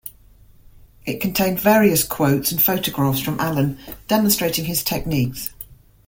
It contained various quotes and photographs from Allen demonstrating his techniques.